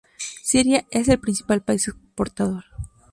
Siria es el principal país exportador.